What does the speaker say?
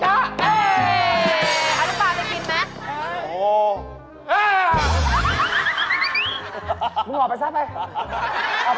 เฮ้ยออกไปซักกิรุณะ